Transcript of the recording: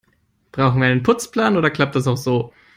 Brauchen wir einen Putzplan, oder klappt das auch so?